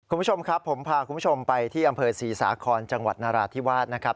คุณผู้ชมครับผมพาคุณผู้ชมไปที่อำเภอศรีสาคอนจังหวัดนราธิวาสนะครับ